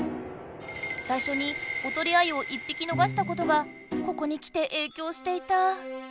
最初におとりアユを１ぴきのがしたことがここに来て影響していた！